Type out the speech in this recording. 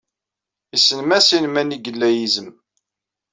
Issen Masin mani g illa yizem.